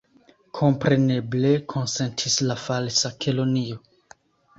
"Kompreneble," konsentis la Falsa Kelonio.